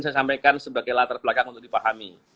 saya sampaikan sebagai latar belakang untuk dipahami